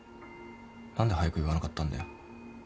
何で早く言わなかったんだよ。